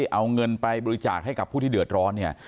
เอาเงินไปบริจาคให้กับผู้ที่เดือดร้อนเนี่ย